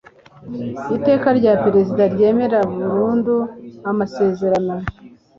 iteka rya perezida ryemeza burundu amasezerano